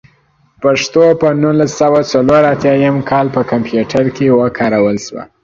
پښتو په نولس سوه څلور اتيايم کال کې په کمپيوټر کې وکارول شوه.